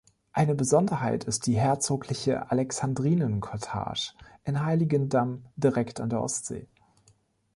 Eine Besonderheit ist die herzogliche Alexandrinen-Cottage in Heiligendamm direkt an der Ostsee.